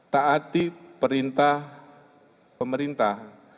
taati perintah pemerintah